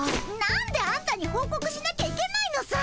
なんであんたにほうこくしなきゃいけないのさ。